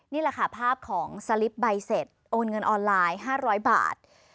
นี่แหละค่ะภาพของสลิปใบเสร็จโอนเงินออนไลน์๕๐๐บาท